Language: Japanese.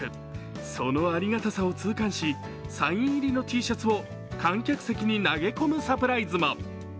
そのありがたさを痛感し、サイン入りのＴシャツを観客席に投げ込むサプライズも。